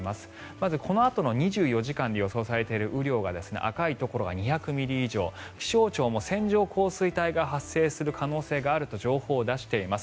まず、このあとの２４時間で予想されている雨量が赤いところは２００ミリ以上気象庁も線状降水帯が発生する可能性があると情報を出しています。